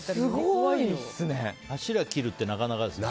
柱切るってなかなかですね。